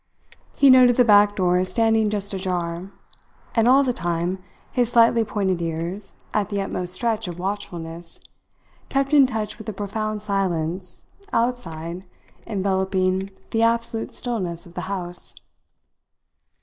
He noted the back door standing just ajar; and all the time his slightly pointed ears, at the utmost stretch of watchfulness, kept in touch with the profound silence outside enveloping the absolute stillness of the house.